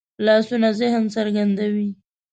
لاسونه ذهن څرګندوي